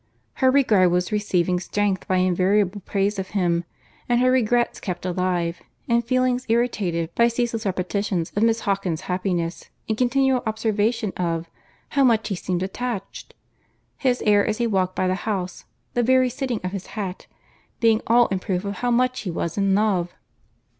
Her regard was receiving strength by invariable praise of him, and her regrets kept alive, and feelings irritated by ceaseless repetitions of Miss Hawkins's happiness, and continual observation of, how much he seemed attached!—his air as he walked by the house—the very sitting of his hat, being all in proof of how much he was in love!